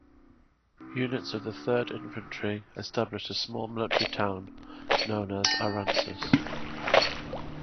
Units of the Third Infantry established a small military town known as Aransas.